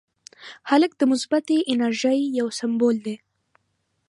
هلک د مثبتې انرژۍ یو سمبول دی.